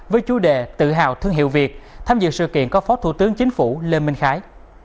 với chủ đề tự hào thương hiệu việt tham dự sự kiện có phó thủ tướng chính phủ lê minh khái